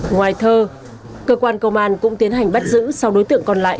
ngoài thơ cơ quan công an cũng tiến hành bắt giữ sau đối tượng còn lại